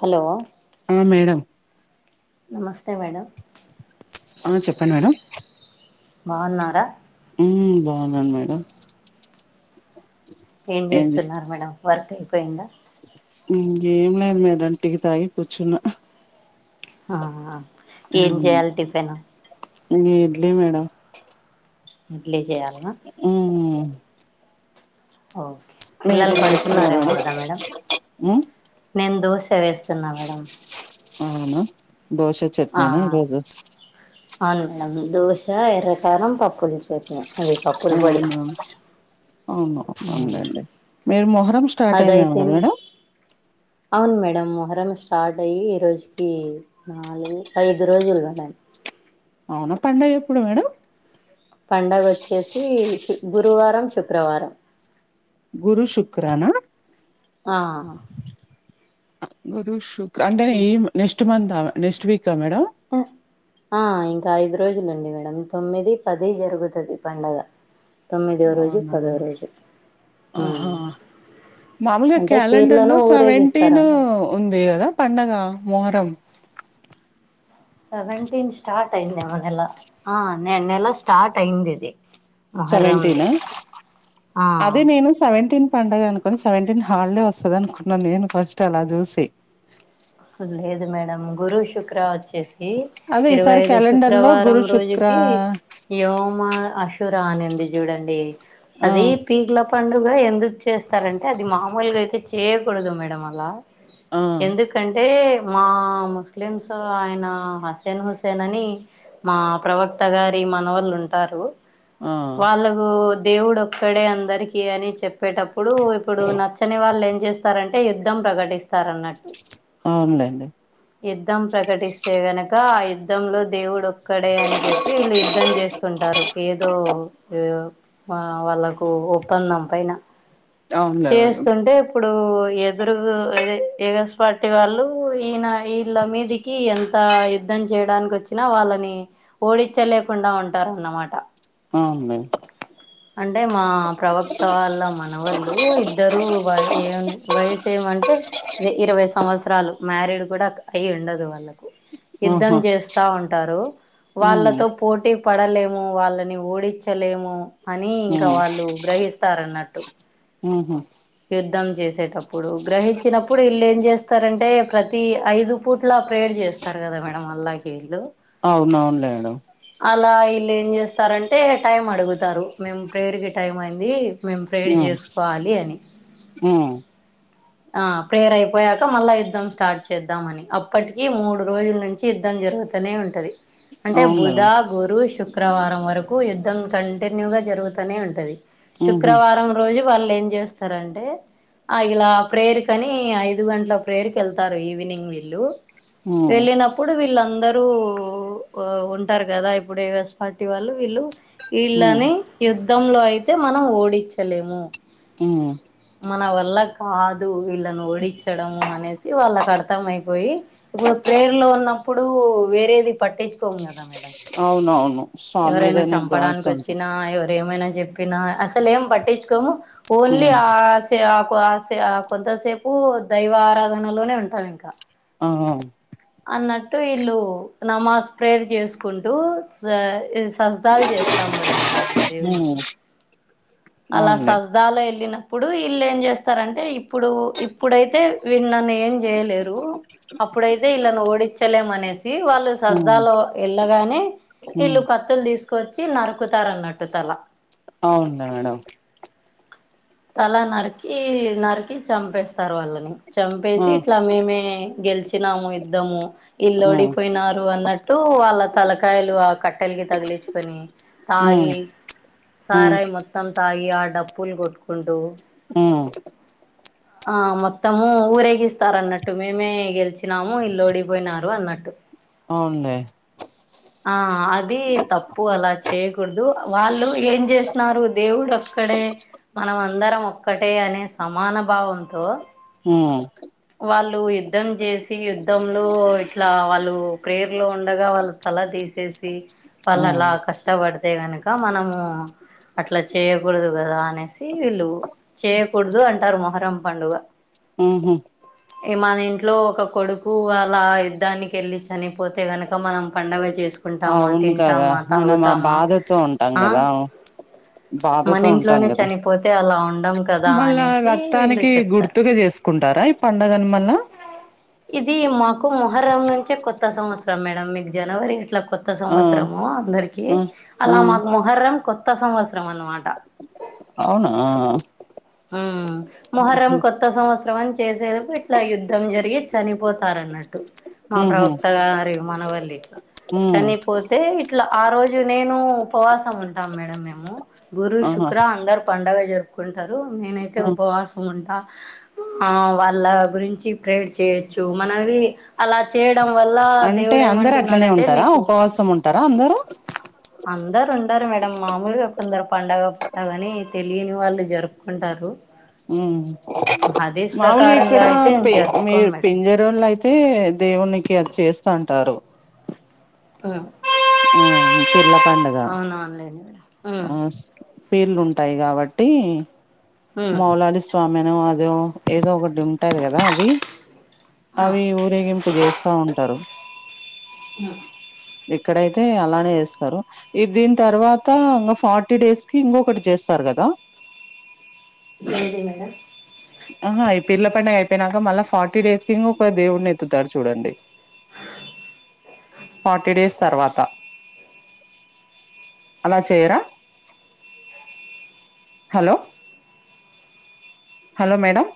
Hello ఆ madam నమస్తే madam ఆ చెప్పండి మేడం బాన్నార ఉ బాన్నాను మేడం ఏం ఏంది చేస్తున్నారు మేడం వర్క్ అయిపోయిందా గేం ఏం లేదు మేడం టీ తాగి కూర్చున్న ఆ ఏం చేయాలి టిఫెను నే ఇడ్లీ మేడం ఇడ్లీ చేయ్యాలన్నా ఉ ఓ మీరేం చేస్తున్నారు మేడం ఉ నేన్ దోశ వేస్తున్నా మేడం అవునా దోశత్ ఆ అవును మేడం దోశ ఎర్రకారం పప్పులు చట్నీ అది పప్పుల పొడి అవునా అవును అవునులేండి మీరు మొహరం స్టార్ట్ అయిందేమో కదా అదయితేనే మేడం అవును మేడం మొహరం స్టార్ట్ అయ్యి ఈరోజుకి నాలుగు ఐదు రోజులు ఉన్నాయి అవునా పండగ ఎప్పుడు మేడం పండగ వచ్చేసి శు గురువారం శుక్రవారం గురు శుక్ర నా ఆ గురు శుక్ అంటే నే హ్మ్. ఈ నెక్స్ట్ మంతా నెక్స్ట్ వీకా మేడం ఉమ్ ఆ ఇంకా ఐదు రోజులుండి మేడం తొమ్మిదీ పదీ జరుగుతది పండగ తొమ్మిదో రోజు ఔనా పదో రోజు అ ఉమ్ హా మాముల్గ అంటే క్యాలెండర్ పీర్లను లో ఊరేగిస్తారు సవెంటీనూ మేడం ఉంది గద పండగా మొహరం సెవెంటీన్ స్టార్ట్ అయింది మనెల ఆ నె నెల స్టార్ట్ అయిందిది సెవెంటినా ఆ అదీ నేను సెవెంటీన్ పడుగ అను కొని సెవెంటిన్ హాల్డే వస్తది అనుకున్నా నేను ఫస్ట్ అలా జూసి లేదు మేడం గురు శుక్ర వచ్చేసి కీ అదే ఇరవై ఈసారి ఐదు క్యాలెండర్‌లో శుక్రవారం గురు, శుక్ర రోజుకీ యవ్ మా అషురా అనింది జూడండీ ఆ! అదీ పీగ్ల పండుగ ఎందుక్ చేస్తారంటే అది మాముల్ గయితే చేయకూడదు మేడం అలా ఆ! ఎందుక్ టే మా ముస్లిమ్స్ ఆయన హసేన్ హుస్సేన్ అనీ మా ప్రవక్త గారి మనవల్లుంటారు ఆ! వాళ్ళగూ దేవుడ్ ఒక్కడే అందర్కీ అని చెప్పేటప్పుడూ ఇప్పుడు నచ్ చ్చని వాళ్లేం జేస్తారంటే యుద్ధం ప్రకటిస్తారన్నట్టు ఔన్లేండి యుద్ధం ప్రకటిస్తే గనకా ఆ యుద్ధం లో దేవుడొక్కడే అన్ జెప్పీ వీళ్ళు యుద్ధం జేస్ స్తుంటారు ఏదో యో ఆ వాళ్ళకూ ఒప్పందం పైన అవునులే మేడం. చేస్తుంటేప్ ఇప్పుడూ ఎదురుగు అదే ఎ గస్ పార్టీ వాళ్లూ ఈన ఈళ్ళ మీదిక్ కీ ఎంతా యుద్ధం జేయడాన్ కొచ్చినా వాళ్ళనీ ఓడిచ్చలేకుండా ఉంటారన్నమాట ఔన్లే అంటే మా ప్రవక్త వాళ్ళ మనవల్ డూ ఇద్దరూ వయ్ ఏ ఉన్ని వయసేమంటే దే ఇరవై సంవత్సరాలు మ్యారీడ్ గుడక్ అయ్ ఉండదు వాళ్ళక యుద్ధం ఆహా! జేస్తా ఉంటారూ హ్మ్. వాళ్ళతో పో పోటీ పడలేమూ వాళ్ళని ఓడిచ్చలేమూ అనీ ఇంక హ్మ్. వాళ్లూ గ్రహిస్తారన్నట్టు ఊ హూ యుద్ధం జేసేటప్పుడు గ్రహిచ్చినప్పుడ్ ఈల్లేం జేస్తరంటే ప్రతీ ఐదు పూట్ల ప్రేర్ జేస్ స్తర్ గద మేడం అల్లా గేళ్లు ఔనవున్ లే యెడం అలా ఇల్ ఏం జేస్తారంటే టైం అడుగుతరూ మేం ప్రేర్ కి టైం అయిందీ మేం ప్రేర్ జేస్కోవాలీ అని ఉమ్ ఆ ప్రేర్ అయిపోయాక మళ్ళా యుద్ధం స్టార్ట్ చేద్దాం అని అప్పట్గీ మూడు రోజుల్ నుంచి చీ యుద్ధం జరుగుతనే ఉంటది అంటే అవునులే బుధా మేడం. గురు శుక్రవారం వరకు యుద్ధం కంటిన్యూగ జరుగుతనే ఉంటదీ హుహు. శుక్రవారం రో రోజు వాళ్ ఏం జేస్తరంటే ఆ ఇలా ప్రేర్ కనీ ఐదు గంట్ల ప్రేర్ కెళ్తారు ఈవినింగ్ వీళ్లూ హ్మ్. వెళ్ళినప్ ప్పుడు వీళ్ళందరూ ఉంటారు కదా ఇప్పుడు ఎగస్ పార్టీ వాళ్ళు వీళ్ళు హ్మ్. వీళ్ళని యుద్ధంలో అయితే మనం ఓడించలేము ఉమ్ మన వల్ల కాద్ వీళ్ళని ఓడించడము అనేసి వాళ్ళకి అర్థం అయిపోయి ఇప్పుడు ప్రేర్ లో ఉన్న ప్పుడు వే తేదీ పట్టించుకోము కదా మేడం అవునవును. స్వామి ఎవరైనా మీదనే చంపడానికి గాడ్స్ ఉంటాయి. వచ్చినా ఎవ ఏమైనా చెప్పినా అసలు ఏం పట్టించుకోము ఓన్లీ హ్మ్. ఆ ఆసే అకు ఆ అసె ఆకు ఆ కొంతసేపు దైవ ఆరాధనలోనే ఉంటాం ఇంకా ఆ అన్నట్టు వీళ్ళు నమాజ్ ప్రేర్ చేసుకుంటూ జా సస్దాల్ చేస్తాము కదా మేడం మేము దేవునికి ఉమ్ అలా అవునులే సస్దాలో వెళ్ళినప్పుడు ఈళ్ళు ఏం చేస్తారంటే ఇ ఇప్పుడు ఇప్పుడైతే విడు నన్ను ఏం చేయలేరు అప్పుడైతే ఇళ్ళలను ఓడించలేమనేసి వాళ్ళు ఉమ్ సస్దాలో వెళ్ళగానే ఉమ్ ఈళ్ళు కత్తులు తీసుకొచ్చి నరుకుతారు అన్నట్టు తల అవునా మేడం తల నరికి నరికి చంపేస్తారు వాళ్ళని ఆ చంపేసి ఇట్లా మేమే గెలిచినాము యుద్ధము ఉమ్ ఈల్లోడిపోయినారు అన్నట్టు వాళ్ళ తలకాయలు ఆ కట్టెలకి తగిలించుకొని ఉమ్ తాగి ఉమ్ సారాయి మొత్తం తాగి ఆ డప్పులు కొట్టుకుంటూ ఆ ఆ మొత్తము ఊరేగిస్తారు అన్నట్టు మేమే గెలిచినాము ఇళ్ళు ఓడిపోయినారు అన్నట్టు అవునులే ఆ అది తప్పు అలా చేయకూడదు వాళ్ళు ఏం చేస్తున్నారు దేవుడు క్కడే మనం అందరం ఒక్కటే అనే సమాన భావంతో ఉమ్ వాళ్ళు యుద్ధం చేసి యుద్ధంలో ఇట్లా వాళ్ళు ప్రేర్ లో ఉండగా వాళ్ళ అలా తీసేసి వాళ్ళు ఉమ్ అలా కష్టపడితే గనుక మనము అట్లా చేయకూడదు కదా అనేసి వీళ్ళు చేయకూడదు అంటారు మొహరం పండుగ ఉహు ఈ మన ఇంట్లో ఒక కొడుకు అలా యుద్ధానికి వెళ్ళి చనిపోతే గనుక మనం పండగా చేస్ అవును కదా మనం ఆ బాధతో ఉంటాం ఆ కదా మన బాధతో ఉంటాం ఇంట్లోనే కదా చనిపోతే అలా ఉండం కదా మళ్ళా అనేసి వీళ్ళు రక్తానికి చెప్తారు గుర్తుగా చేసు కుంటారా ఈ పండుగను మళ్ళ ఇది మాకు మొహర్రం నుంచే కొత్త సంవత్సరం మేడం మీకు జనవరి ఎట్లా కొత్త కొత్త ఆ సంవత్సరము అందరికి ఆ ఆ అలా మాకు మొహర్రం కొత్త సంవత్సరం అన్నమాట అవునా ఉమ్ మొహర్రం కొ త్త సంవత్సరం అని చేసేందుకు ఇట్లా యుద్ధం జరిగి చనిపోతారున్నట్టు మా ఉహు ప్రవక్త గరి మనవాళ్లు ఇట్లా ఉమ్ చనిపో యితే ఇట్లా ఆ రోజు నేను ఉపవాసం ఉంటాము మేడం మేము గురు, ఆహా శుక్ర అందరు పండుగ జరుపుకుంటారు నేనైతే ఆ! ఉపవాసం ఉంటా ఆ వాళ్ళ గురించి ప్రేర్ చేయచ్చు మనది అలా చేయడం వల్ల అంటే దేవుడు అందరు అట్లనే ఏమంటున్నాడంటే ఉంటారా మీకు ఉపవాసం ఉంటారా అందరూ అందరు ఉండరు మేడం మామూలుగా కొందరు పండుగ పూట అని తెలియని వాళ్ళు జరుపు కుంటారు మాముూలుగా ప్రకారంగా ఇక్కడ అయితే పె మీ జరుపుకోం మేడం పింజా రోళ్ళు అయితే దేవునికి అది చేస్తంటారు అ ఉమ్ పీర్ల పండగ అవునా అండి ఉమ్ పీర్లు ఉంటాయి కాబట్టి ఉమ్ మౌలాలి స్వామి అని అదో ఏదో ఒకటి ఉంటాది కదా అవి అవి ఊరేగింపు చేస్తా ఉంటారు అ ఇక్కడైతే అలానే ఏస్తారు ఇ దీని తర్వా త ఇంగా ఫార్టీ డేస్ కి ఇంకొకటి చేస్తారు కదా ఏంది మేడం ఆహా ఈ పీర్ల పండగ అయిపోయినాక మళ్ళా ఫార్టీ డేస్ కి ఇంక ఒక దేవుడిని ఎత్తుతారు చూడండి ఫార్టీ డేస్ తర్వాత అలా చేయరా hello hello madam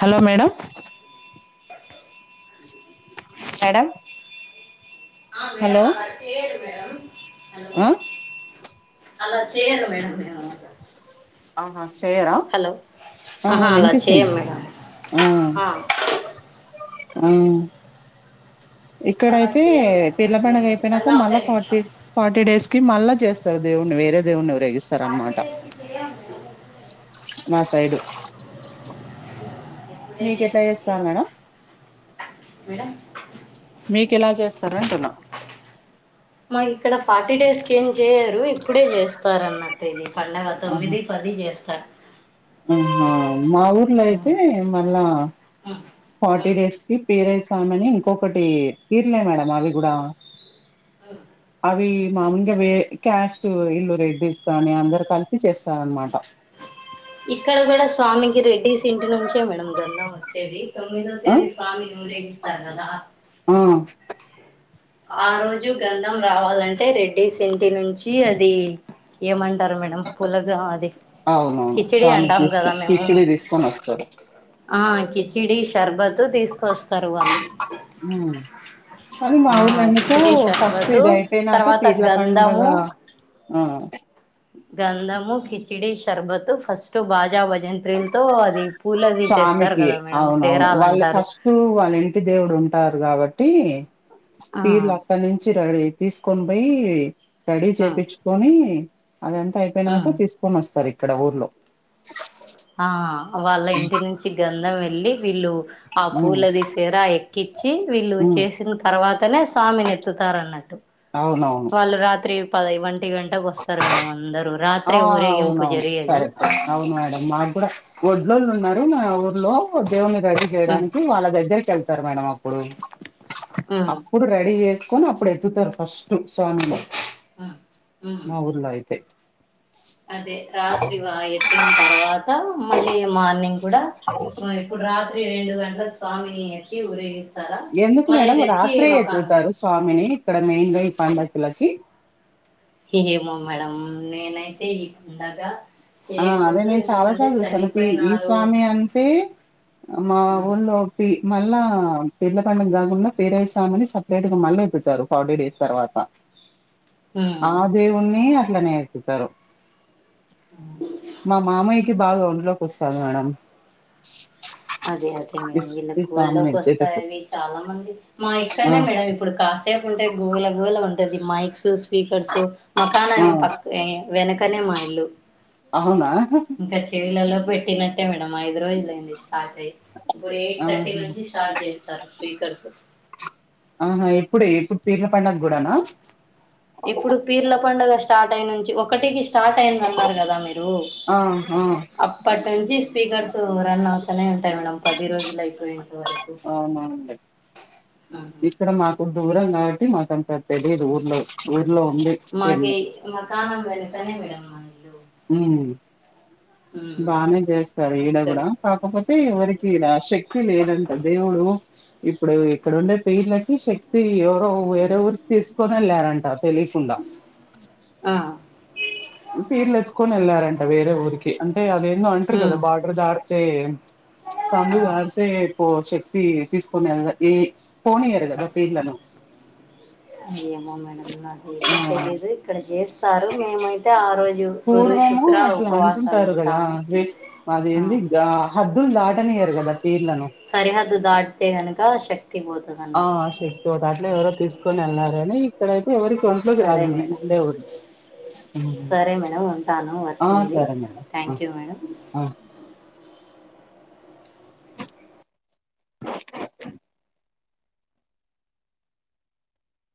hello madam madam అ మేడం అలా చేయరు మేడం హలో ఆ అలా చెయ్యరు మేడం మేము ఆహా చెయ్యరా హు ఆహా అలా వినిపిస్తుంది చేయం మేడం హు ఆ ఆ ఇక్కడైతే పీర్ల పండుగ అయిపోయినాక మళ్ళా ఫార్టీ ఫార్టీ డేస్ కి మళ్ళా చేస్తారు దేవుడిని వేరె దేవుడిని ఉరేగిస్తా ఫార్టీ డేస్ కి చెయ్యం మేము మా సైడు మీకు ఎట్లా చేస్తారు మేడం మీకు ఎలా చేస్తారు అంటున్నా మాకు ఇక్కడ ఫార్టీ డేస్ కి ఏం చేయరు ఇప్పుడే చేస్తారు అన్నట్టు ఇది పండగ ఆహా తొమ్మిది పది చేస్తారు ఆహా మా ఊర్ల అయితే మళ్ళా హా ఫార్టీ డేస్ కి ఫేరెంట్స్ స్వామి అని ఇంకొకటి పీర్లే మేడం అవి కూడా అవునా అవి మామూలుగా వే క్యాష్ట్ ఈల్లు రెడ్డీస్ కాని అందరు కలిసి చేస్తారు అన్నమాట ఇక్కడ కూడా స్వామికి రెడ్డిస్ ఇంటి నుంచే మేడం గంధం వచ్చేది తొమ్మిదో ఆ తేదీ స్వామి ఊరేగిస్తారు కదా హు ఆ రోజు గంధం రావాలంటే రెడ్డిస్ ఇంటి నుంచి అది ఏమంటారు మేడం పుల్లగం అది అవునవును కిచిడి స్వామికి అంటాం తీసుకొని కిచిడి తీసుకొని వస్తారు అ కిచిడి షర్బతు తీసుకొస్తారు వాళ్ళు ఉమ్ కానీ మా ఆ ఊర్ల ఎందుకో కిచిడి ఫస్ట్ షర్బతు ఇది అయిపోయినాక తర్వాత పీర్ల పండగ గంధము ఆ గంధము, కిచడి, శర్బత్తు ఫస్ట్ బాజా భజంత్రీల్. తో అది పూలది తెస్తారు కదా మేడం సేరాలంటారు. ఫస్ట్ తూ వాళ్ళు ఇంటి దేవుడు ఉంటారు కాబట్టీ ఆ పీర్లు అక్కడ్నుంచి రెడీ తీసుకొన్ పోయీ రెడీ ఉమ్ చేపిచ్చుకొనీ అది అంత అయిపోయినాక ఉమ్ తీస్ తీసుకొని వస్తారు ఇక్కడ ఊర్లో హా వాళ్ళ ఇంటి నుంచి గంధం వెళ్ళి వీళ్ళు. ఆ హ్మ్. పూలది సేరా ఎక్కిచ్చి వీళ్ళు హ్మ్. చేశిన్ తర్వాతనే స్వామినెత్తుతారన్నట్ టు అవునవును వాళ్ళు రాత్రి పదై ఒంటి గంటకు వస్తారు మేడం అందరు. ఆ అవునవును కరెక్టే అవును మేడం మాకు కూడా ఒడ్లోళు ఉన్నారు మా ఊర్లో దేవుని రెడీ ఉమ్ చేయడానికి వాళ్ళ దగ్గరికి వెళ్తారు మేడం అప్పుడు ఉమ్ అప్పుడు రెడీ చేసుకొని అప్పుడు ఎత్తుతారు ఫస్టు స్వామిని ఉమ్ మా ఊర్లో అయితే అదే రాత్రి వా ఎత్తిన్ తర్వాత మళ్ళీ మార్నింగ్ కూడా మ్ ఇప్పుడు రాత్రి రెండు గంటల్క్ స్వామని ఎత్తి ఊరేగిస్ ఎందుకు మేడం రాత్రే ఎత్తుతారు స్వామిని ఇక్కడ మెయిన్ గా ఈ పండగలకి. హే ఏమో మేడం నేనైతే ఈ [inaudible] కుండగా ఆ అదే నేను చాలా సార్లు చూసాను పి ఈ చనిపోయినారు స్వామి అంతే మా ఉమ్ ఊళ్ళో. పి మళ్ళా పీర్ల పండగ గాకుండా పేరైస్వామని సపరేట్ గా మళ్ళి ఎత్తుతారు ఫార్టీ డేస్ తర్వాత. ఆ ఉమ్ దేవుణ్ణీ అట్లనే ఎత్తుతారు. మా మామయ్యకి బాగా ఒంట్లోకి వస్తాది మేడం. అదే అదే మేడం ఇస్ ఇస్ కామన్ వీళ్ళక్కుఒళ్ల్లోకి వస్తాయి ఇచ్చేటప్పుడు అని చాలా మంది మా ఆ ఇక్కడనే మేడం ఇప్పుడు కాస్ టేప్ ఉంటే గోళ గోళ ఉంటది మైక్సు స్పీకర్సు మాకాన ఆ పక్క్ వే వెనకనే మా ఇల్లు అవునా ఇంకా చెవిలలో పెట్టినట్టే మేడం ఐదు రోజులయింది స్టార్ట్ అయ్యి. ఇప్పుడు ఎయిట్ థర్టీ ఆహా నుంచి స్టార్ట్ చేస్తారు స్పీకర్సు. ఆహా ఎప్పుడే ఎప్పుడ్ పీర్ల పండగ్ గూడానా ఇప్పుడు పీర్ల పండుగ స్టార్ట్ అయి నుంచి ఒకటికి స్టార్ట్ అయింద్ అన్నారు కదా మీరు. రూ ఆ ఆ అప్పటి నుంచి స్పీకర్స్ తు రన్ అవుతనే ఉంటాయి మేడమ్ పది రోజులు అయిపోయెంత వరక్ అవునా అండి ఉహు. ఇక్కడ మాక్ దూరం కాబట్టి మాకంత తెలీదు ఊర్లో ఊర్లో ఉండి. మాకేయి మాకాణ వెనుకనే మేడం మా ఇల్లు ఉమ్ ఉమ్ బానే చేస్తారు ఈడ గూడా ఇక్కడే కాకపోతే ఎవరికి ఈడా శక్తి లేదంట దేవుడూ ఇప్పుడు ఇక్కడుండే పీర్లకి శక్తి ఎవరో వేరేవురికి తీసుకోని ఎల్లారంట తెలియకుండా. ఆ పీర్లు ఎత్తుకొని ఎళ్లారంట వేరే ఊరికి అంటే అదేందో అంటరు కదా ఉమ్ బార్డర్ దాటితే. సందు దాటితే ప్పో శక్తి తీసుకొన్ ఎళ్ళ దీ పోనీయ్యరు గదా పీర్లను ఏమో మేడం నాకు అయితే ఆ తెలీదు ఇక్కడ చేస్తారు మేమైతే ఆ రోజు గురు పూర్వము శుక్ర అట్లా ఉపవాసాలు అంటుంటారు కదా ఉంటాము వే ఆ అదేంది గా హద్దులు దాటనియ్యరు గదా పిర్లను సరిహద్దు దడ్తే గనకా శక్ ఆ శక్తి పోత అట్లా ఎవరో తీసుకొని వెళ్ళనారని ఇక్కడయితే ఎవరి ఒంట్లోకి సరే రాదు మేడం [unintelligible] సరే మేడం ఉంటాను వర్క్ ఆ ఉంది సరే మేడం ఆ థ్యాంక్ యూ మేడం ఆ